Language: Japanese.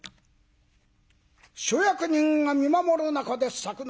諸役人が見守る中で作之進。